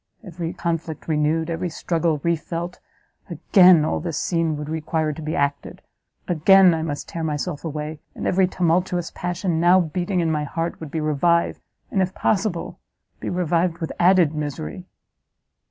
every conflict renewed, every struggle re felt, again all this scene would require to be acted, again I must tear myself away, and every tumultuous passion now beating in my heart would be revived, and, if possible, be revived with added misery!